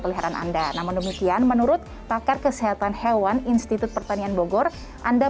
peliharaan anda namun demikian menurut pakar kesehatan hewan institut pertanian bogor anda